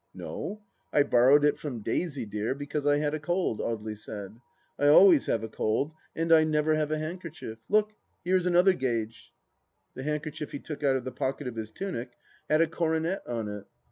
" No, I borrowed it from Daisy Dear because I had a cold," Audely said. " I always have a cold and I never have a handkerchief. Look, here is another gage." The handkerchief he took out of the pocket of his tunic had a coronet on it.